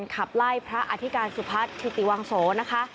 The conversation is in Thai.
ขับไล่พระอธิการสุพัฒน์ทิติวังโสนะคะ